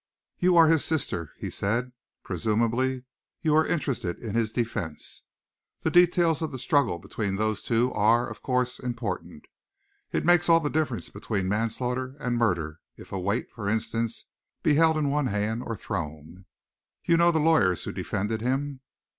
"You are his sister," he said. "Presumably you are interested in his defence. The details of the struggle between those two are, of course, important. It makes all the difference between manslaughter and murder if a weight, for instance, be held in the hand or thrown. You know the lawyers who defended him?"